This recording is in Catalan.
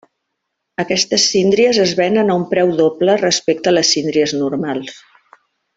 Aquestes síndries es venen a un peu doble respecte les síndries normals.